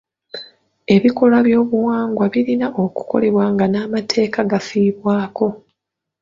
Ebikolwa by'obuwangwa birina okukolebwa nga n'amateeka gafiibwako.